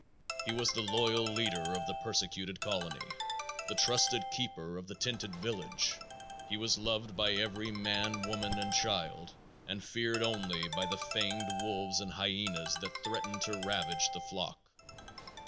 _ He was the loyal leader of the persecuted colony; the trusted keeper of the tented village. He was loved by every man, woman and child, and feared only by the fanged wolves and hyenas that threatened to ravage the flock.